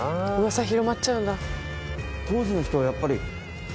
噂広まっちゃうんだ。